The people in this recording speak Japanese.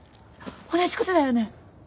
同じことだよね？